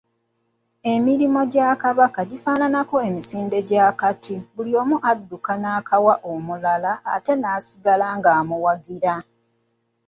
Emirimu gya Kabaka gifaananako emisinde gy'akati, buli omu adduka n'akawa omulala ate n'asigala ng'amuwagira.